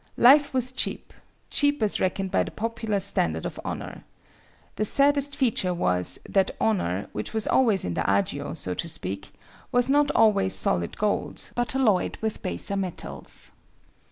Life was cheap—cheap as reckoned by the popular standard of honor. The saddest feature was that honor, which was always in the agio, so to speak, was not always solid gold, but alloyed with baser metals.